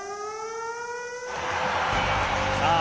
さあ！